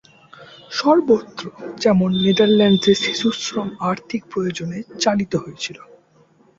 সর্বত্র যেমন, নেদারল্যান্ডসে শিশুশ্রম আর্থিক প্রয়োজনে চালিত হয়েছিল।